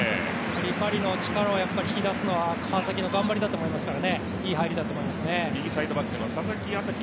パリの力を引き出すのは川崎の頑張りだと思いますからいい入りだと思いますね。